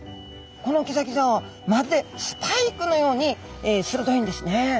このギザギザはまるでスパイクのようにするどいんですね。